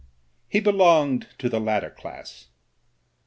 He belonged to the latter class.